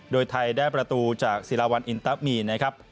โดยไทยได้ประตูจากศิลาวันอินตะมีนนะครับ